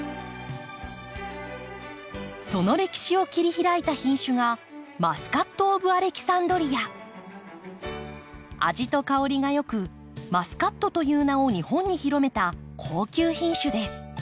その歴史を切り開いた品種が味と香りが良く「マスカット」という名を日本に広めた高級品種です。